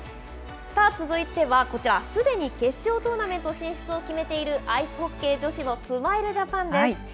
さあ、続いてはこちら、すでに決勝トーナメント進出を決めているアイスホッケー女子のスマイルジャパンです。